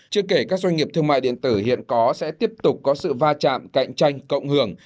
chưa kể các doanh nghiệp thương mại điện tử hiện có sẽ tiếp tục có sự va chạm cạnh tranh cộng hưởng